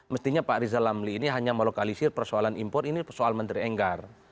mestinya pak rizal lamli ini hanya melokalisir persoalan impor ini soal menteri enggar